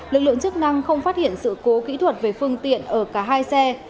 lực lượng chức năng không phát hiện sự cố kỹ thuật về phương tiện ở cả hai xe